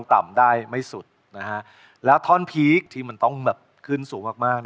คอยนับวันให้เธอกลับมา